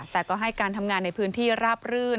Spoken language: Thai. แต่ก็ให้การทำงานในพื้นที่ราบรื่น